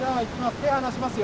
手離しますよ。